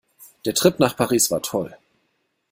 Der Trip nach Paris war toll.